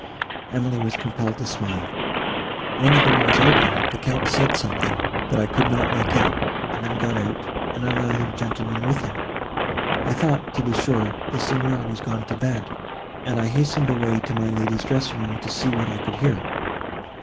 Emily was compelled to smile. "When the door was opened, the Count said something, that I could not make out, and then got out, and another gentleman with him. I thought, to be sure, the Signor was gone to bed, and I hastened away to my lady's dressing room, to see what I could hear.